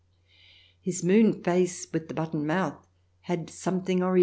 His moon face, with the button mouth, had something Oriental CH.